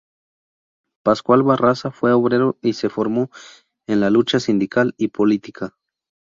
Pascual Barraza fue obrero y se formó en la lucha sindical y política.